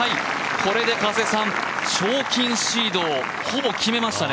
これで賞金シードをほぼ決めましたね。